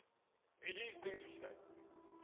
美人すぎる歯科医の？